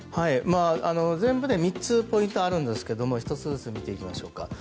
全部で３つポイントがあるんですけども１つずつ見ていきましょう。